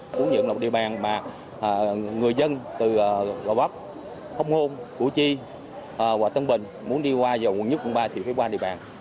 chúng tôi nhận được địa bàn mà người dân từ lò bắp hồng hôn củ chi và tân bình muốn đi qua vào quận một quận ba thì phải qua địa bàn